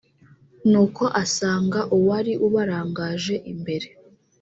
nuko asanga uwari ubarangaje imbere